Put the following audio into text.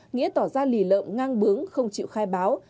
nghĩa tỏ ra lì lợm ngang bướng không chịu khai báo